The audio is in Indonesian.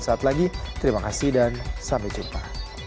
saat lagi terima kasih dan sampai jumpa